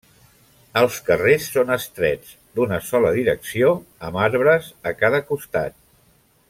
Els carrers són estrets, d'una sola direcció, amb arbres a cada costat.